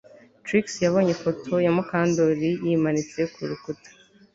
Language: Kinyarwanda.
Trix yabonye ifoto ya Mukandoli yimanitse ku rukuta